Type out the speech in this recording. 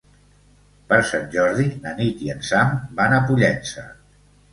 Per Sant Jordi na Nit i en Sam van a Pollença.